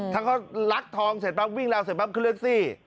ถ้าเขาลักทองเสร็จปั๊บวิ่งราวเสร็จปั๊บขึ้นแท็กซี่